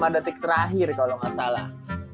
lima detik terakhir kalau nggak salah